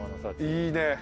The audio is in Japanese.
いいね。